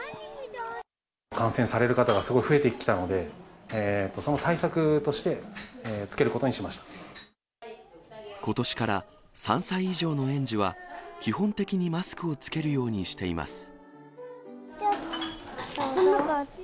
感染される方がすごく増えてきたので、その対策として、ことしから、３歳以上の園児は、基本的にマスクを着けるようにしています。